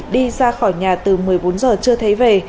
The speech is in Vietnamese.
đi ra khỏi nhà từ một mươi bốn giờ chưa thấy về